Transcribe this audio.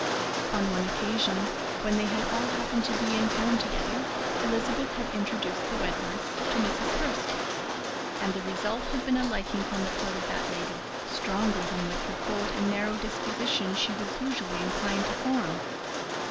On one occasion, when they had all happened to be in town together, Elizabeth had introduced the Wentworths to Mrs. Hurst, and the result had been a liking on the part of that lady stronger than with her cold and narrow disposition she was usually inclined to form.